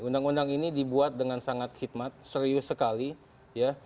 undang undang ini dibuat dengan sangat khidmat serius sekali ya